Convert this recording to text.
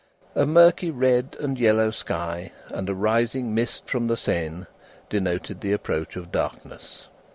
A murky red and yellow sky, and a rising mist from the Seine, denoted the approach of darkness.